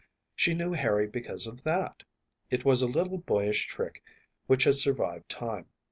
She knew Harry because of that. It was a little boyish trick which had survived time.